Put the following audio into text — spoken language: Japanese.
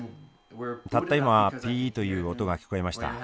たった今「ピー」という音が聞こえました。